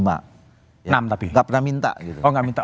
gak pernah minta gitu